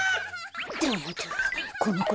ダメだこのこ